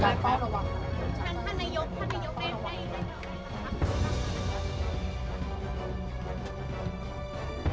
พอเวลาพอเวลาให้้ชน